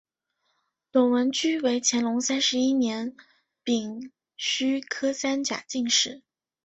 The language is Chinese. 董文驹为乾隆三十一年丙戌科三甲进士。